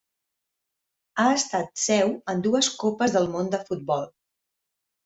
Ha estat seu en dues Copes del Món de futbol.